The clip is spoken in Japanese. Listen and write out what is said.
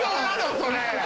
それ！